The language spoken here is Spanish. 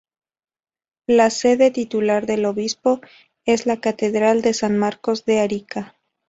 La sede titular del obispo es la catedral de San Marcos de Arica.